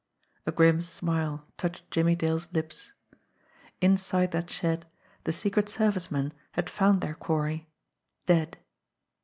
A grim smile touched Jimmie Dale's lips. Inside that shed the secret service men had found their quarry dead.